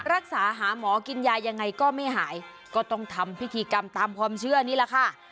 รักษาหาหมอกินยายังไงก็ไม่หายก็ต้องทำพิธีกรรมตามความเชื่อนี่แหละค่ะ